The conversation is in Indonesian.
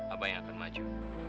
abang yang akan maju